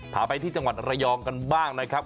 พาไปที่จังหวัดระยองกันบ้างนะครับ